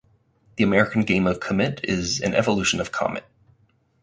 The American game of Commit is an evolution of Comet.